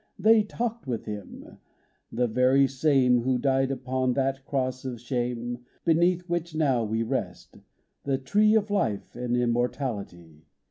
They talked with Him, the very same Who died upon that cross of shame Beneath which now we rest, — the Tree Of Life and Immortality.